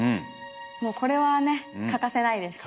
もうこれはね欠かせないです